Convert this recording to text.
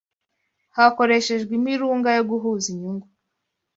hakoreshejwe imirunga yo guhuza inyungu